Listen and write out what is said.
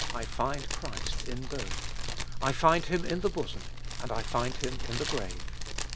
I find Christ in both. I find him in the bosom, and I find him in the grave.